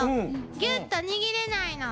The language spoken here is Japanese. ギュッと握れないの。